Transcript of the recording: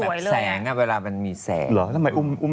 ก็แบบแบบแสงฮะเวลามันมีแสงแล้วทำไมอุ้มไม่แสปล่ะเหรอ